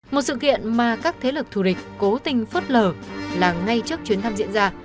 một sự kiện mà các thế lực thù địch cố tình phớt lờ là ngay trước chuyến thăm diễn ra